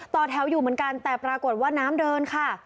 ต่อแถวอยู่เหมือนกันแต่ปรากฏว่าน้ำเดินค่ะ